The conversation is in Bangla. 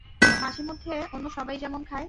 মাঝেমধ্যে, অন্য সবাই যেমন খায়।